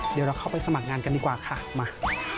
เดี๋ยวเราเข้าไปสมัครงานกันดีกว่าค่ะมา